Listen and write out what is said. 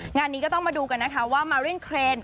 งานนี้ก็ต้องมาดูกันนะคะว่ามารินเครน